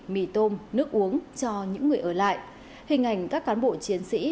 mì tôm nước uống cho những người ở lại hình ảnh các cán bộ chiến sĩ